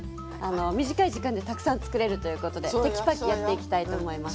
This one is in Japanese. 短い時間でたくさん作れるということでてきぱきやっていきたいと思います。